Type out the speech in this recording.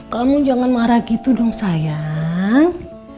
kamu jangan marah gitu dong sayang